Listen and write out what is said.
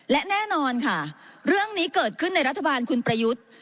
และแน่นอนค่ะเรื่องนี้เกิดขึ้นในรัฐบาลคุณประยุทธ์